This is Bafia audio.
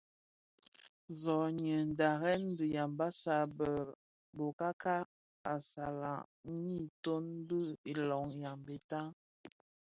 Zonйyi dharèn dhi Yambassa be a bokaka assalaKon=ňyi toň bil iloň Yambéta.